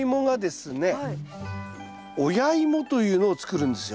親イモというのを作るんですよ。